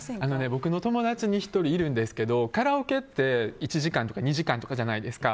僕の友達に１人いるんですけどカラオケって１時間とか２時間とかじゃないですか。